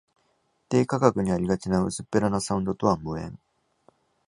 低価格にありがちな薄っぺらなサウンドとは無縁